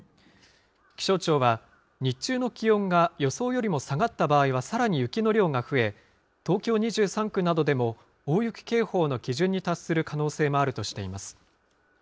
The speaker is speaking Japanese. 気象庁は、日中の気温が予想よりも下がった場合はさらに雪の量が増え、東京２３区などでも大雪警報の基準に達する可能性もあるとしています。